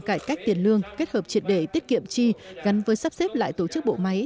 cải cách tiền lương kết hợp triệt để tiết kiệm chi gắn với sắp xếp lại tổ chức bộ máy